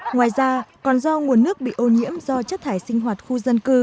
ngoài ra còn do nguồn nước bị ô nhiễm do chất thải sinh hoạt khu yên